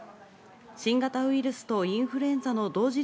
新型ウイルスとインフルエンザの同時